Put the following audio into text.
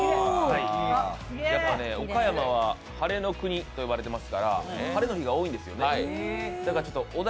岡山は晴れの国と呼ばれていますから晴れの日が多いんですよ。